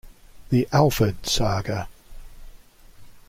"The Alford Saga:"